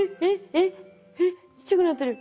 えっちっちゃくなってる。